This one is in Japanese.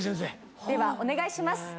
ではお願いします。